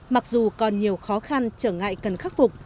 mặc dù còn nhiều khó khăn trở ngại cần khắc phục